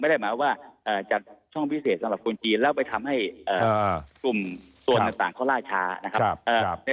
ไม่ได้หมายถึงว่าแต่ว่าจัดช่องพิเศษสำหรับคนจีนแล้วไปทำให้บุ่งโทรนต่างล่าช้า